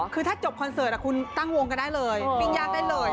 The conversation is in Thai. คือถ้าจบคอนเสิร์ตคุณตั้งวงกันได้เลยปิ้งยากได้เลย